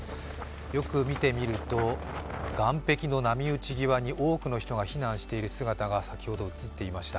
よく見てみると、岸壁の波打ち際に多くの人が避難している姿が先ほど映っていました。